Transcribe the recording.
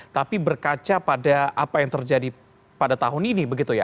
tapi berkaca pada apa yang terjadi pada tahun ini begitu ya